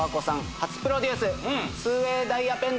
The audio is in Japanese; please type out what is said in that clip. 初プロデュース